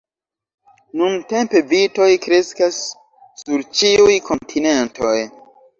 Nuntempe vitoj kreskas sur ĉiuj kontinentoj.